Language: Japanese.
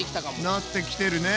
なってきてるね。